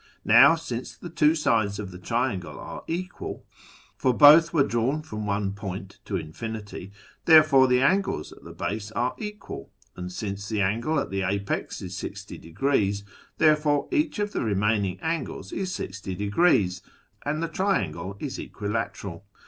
Now, since the two sides of the triangle are equal (for both were drawn from one point to infinity), there fore the angles at the base are equal ; and since the angle at the apex is 60°, therefore each of the remaining angles is 60", and the triangle is equilateral.